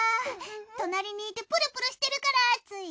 隣にいてプルプルしてるからつい。